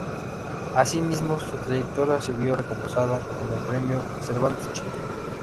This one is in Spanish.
Asimismo, su trayectoria se vio recompensada con el Premio Cervantes Chico.